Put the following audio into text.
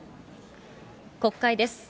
国会です。